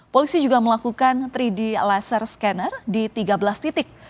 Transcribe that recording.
polisi juga melakukan tiga d laser scanner di tiga belas titik